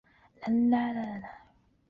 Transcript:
须藤良太是千明和义的青梅竹马。